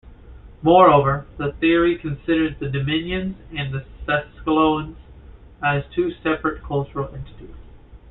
Moreover, the theory considers the "Diminians" and the "Seskloans" as two separate cultural entities.